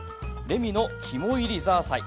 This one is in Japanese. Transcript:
「レミの肝いりザーサイ」。